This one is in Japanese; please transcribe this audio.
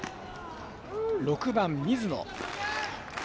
６番、水野。